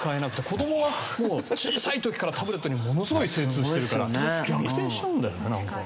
子どもはもう小さい時からタブレットにものすごい精通してるから逆転しちゃうんだよねなんか。